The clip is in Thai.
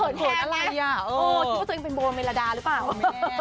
เขินแทนแล้วโอ้โฮคิดว่าเจ้าเองเป็นโบเมลดาหรือเปล่าโอ้แม่